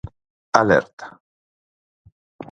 Alerta.